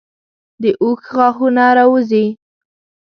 د اوښ غاښونه راوځي.